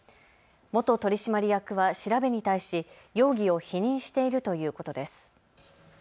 元取締役は調べに対し容疑を否認しているということです。